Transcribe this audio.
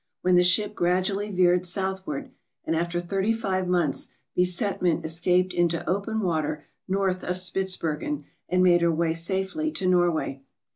when the ship gradually veered southward and after thirty five months' besetment escaped into open water north of Spitzbergen and made her way safely to Norway.